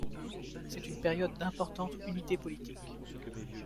C'est une période d'importante unité politique.